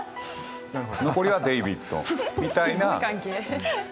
残りはデイビッドみたいな。